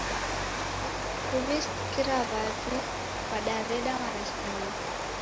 Kuwisikira wavi kwadareda marasimio.